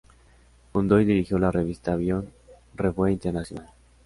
Fundó y dirigió la revista Avión Revue Internacional.